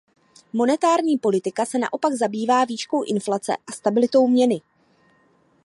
Monetární politika se naopak zabývá výškou inflace a stabilitou měny.